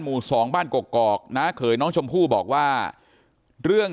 หมู่สองบ้านกอกน้าเขยน้องชมพู่บอกว่าเรื่อง